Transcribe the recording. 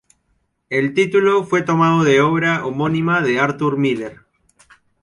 El título fue tomado de obra homónima de Arthur Miller.